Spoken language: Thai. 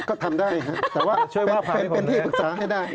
ก็ทำได้ครับแต่ว่าเป็นที่ปรึกษาให้ได้